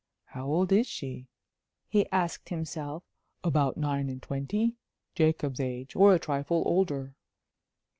"How old is she?" he asked himself. "About nine and twenty?... Jacob's age or a trifle older."